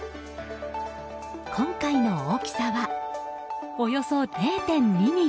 今回の大きさはおよそ０．２ｍｍ。